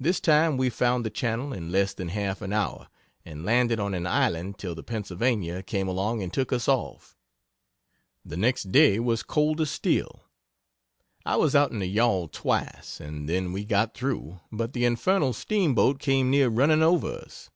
This time we found the channel in less than half an hour, and landed on an island till the Pennsylvania came along and took us off. The next day was colder still. I was out in the yawl twice, and then we got through, but the infernal steamboat came near running over us.